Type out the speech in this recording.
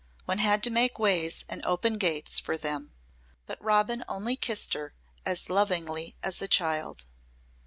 One had to make ways and open gates for them. But Robin only kissed her as lovingly as a child.